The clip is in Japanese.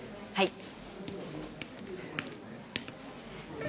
はい。